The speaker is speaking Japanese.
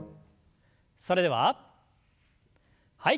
それでははい。